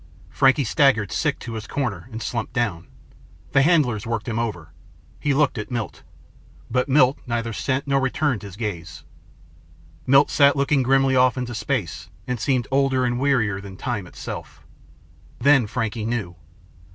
Frankie staggered, sick, to his corner and slumped down. The handlers worked over him. He looked at Milt. But Milt neither sent nor returned his gaze. Milt sat looking grimly off into space and seemed older and wearier than time itself. Then Frankie knew.